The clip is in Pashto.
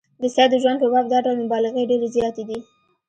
د سید د ژوند په باب دا ډول مبالغې ډېرې زیاتې دي.